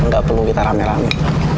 nggak perlu kita rame rame